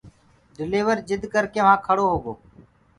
ڊليور جِد ڪرڪي وهآنٚ کڙو هوگو